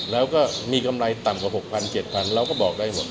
แล้วก็มีกำไรต่ำกว่า๖๐๐๗๐๐เราก็บอกได้หมด